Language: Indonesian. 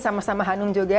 sama sama hanum juga